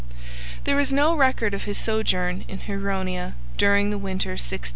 There is no record of his sojourn in Huronia during the winter 1624 25.